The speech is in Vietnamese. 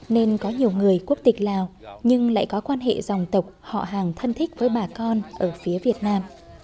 nên có nhiều người quốc tịch lào nhưng lại có quan hệ dòng tộc họ hàng thân thích với bà con ở phía việt nam